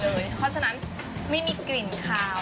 เพราะฉะนั้นไม่มีกลิ่นคาว